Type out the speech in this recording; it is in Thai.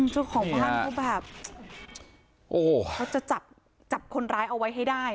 จุดของบ้านก็แบบเขาจะจับคนร้ายเอาไว้ให้ได้